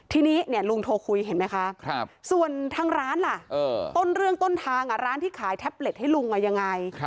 ทีนี้ลุงโทรคุยเห็นไหมคะส่วนทางร้านล่ะต้นเรื่องต้นทางร้านที่ขายแท็บเล็ตให้ลุงยังไง